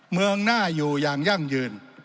เมืองหน้าอยู่อย่างยั่งยืน